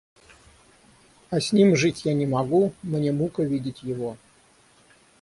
А с ним жить я не могу, мне мука видеть его.